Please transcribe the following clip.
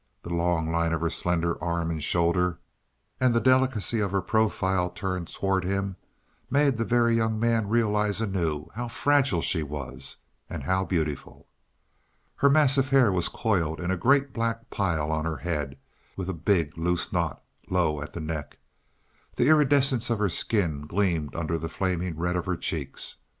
The long line of her slender arm and shoulder, and the delicacy of her profile turned towards him, made the Very Young Man realize anew how fragile she was, and how beautiful. Her mass of hair was coiled in a great black pile on her head, with a big, loose knot low at the neck. The iridescence of her skin gleamed under the flaming red of her cheeks.